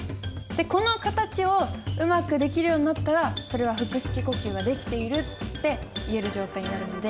この形をうまくできるようになったらそれは腹式呼吸ができているっていえる状態になるので。